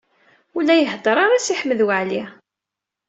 Ur la iheddeṛ ara Si Ḥmed Waɛli.